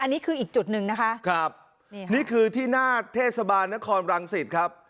อันนี้คืออีกจุดหนึ่งนะคะครับนี่คือที่หน้าเทศบาลนครรังสิตครับ